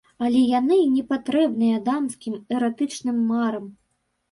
Але яны й непатрэбныя дамскім эратычным марам.